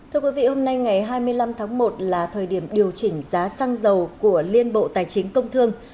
thưa quý vị hôm nay ngày hai mươi năm tháng một là thời điểm điều chỉnh giá xăng dầu của liên bộ tài chính công thương